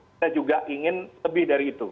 kita juga ingin lebih dari itu